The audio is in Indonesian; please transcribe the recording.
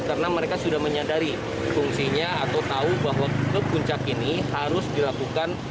karena mereka sudah menyadari fungsinya atau tahu bahwa ke puncak ini harus dilakukan